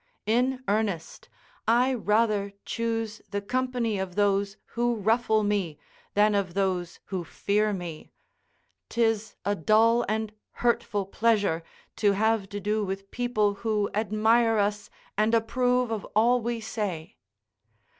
In earnest, I rather choose the company of those who ruffle me than of those who fear me; 'tis a dull and hurtful pleasure to have to do with people who admire us and approve of all we say.